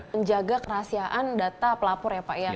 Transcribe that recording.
menjaga kerahasiaan data pelapor ya pak ya